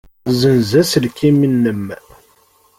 Ssenz aselkim-nnem.